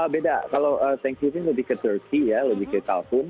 beda kalau thanksgiving lebih ke turkey ya lebih ke talfun